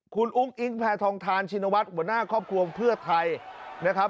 คุณอุ้งอิงแพทองทานชินวัฒน์หัวหน้าครอบครัวเพื่อไทยนะครับ